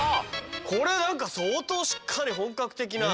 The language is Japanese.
これ何か相当しっかり本格的な。